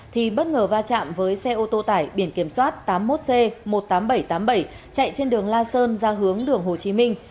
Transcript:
thì bất ngờ va chạm với xe ô tô tải biển kiểm soát tám mươi một c một mươi tám nghìn bảy trăm tám mươi bảy chạy trên đường la sơn ra hướng đường hồ chí minh